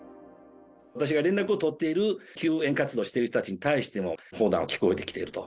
私が連絡を取っている救援活動している人たちに対しても、砲弾が聞こえてきていると。